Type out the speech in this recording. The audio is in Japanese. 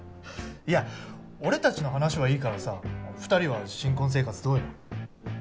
いや俺たちの話はいいからさ二人は新婚生活どうよ？